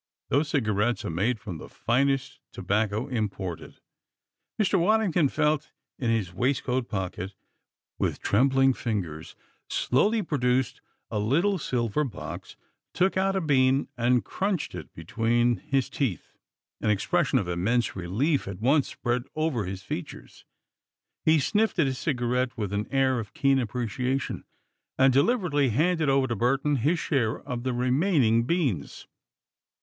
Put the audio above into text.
"Those cigarettes are made from the finest tobacco imported." Mr. Waddington felt in his waistcoat pocket with trembling fingers, slowly produced a little silver box, took out a bean and crunched it between his teeth. An expression of immense relief at once spread over his features. He sniffed at his cigarette with an air of keen appreciation, and deliberately handed over to Burton his share of the remaining beans.